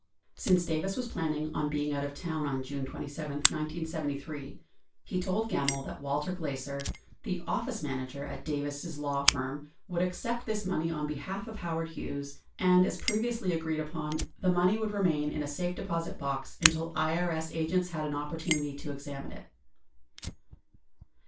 Since Davis was planning on being out of town on June 27, 1973, he told Gemmill that Walter Glaeser, the office manager at Davis' law firm, would accept this money on behalf of Howard Hughes, and, as previously agreed upon, the money would remain in a safe deposit box until IRS agents had an opportunity to examine it.